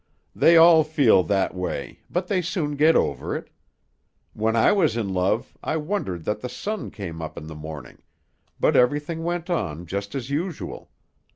"They all feel that way, but they soon get over it. When I was in love I wondered that the sun came up in the morning, but everything went on just as usual.